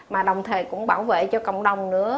mà đồng thời cũng bảo vệ cho cộng đồng nữa